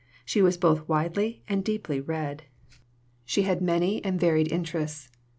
She was both widely and deeply read. She had many and varied interests.